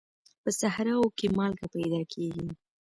په صحراوو کې مالګه پیدا کېږي.